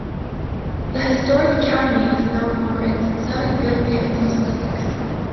The historic county is known for its "seven good things of Sussex".